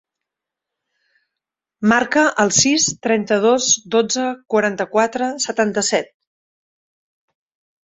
Marca el sis, trenta-dos, dotze, quaranta-quatre, setanta-set.